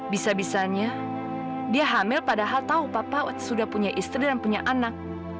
bisa bisanya dia hamil padahal tahu papa sudah punya istri dan punya anak